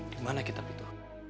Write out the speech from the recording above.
di mana kitab itu